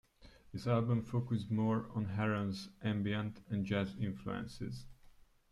This album focused more on Herren's ambient and jazz influences.